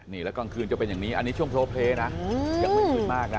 นี่แล้วกลางคืนจะเป็นอย่างนี้อันนี้ช่วงโพลเพลย์นะยังไม่คืนมากนะ